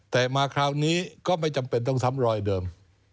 แต่มาคราวนี้ก็ไม่จำเป็นต้องซ้ำรอยเดิม